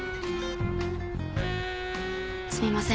すみません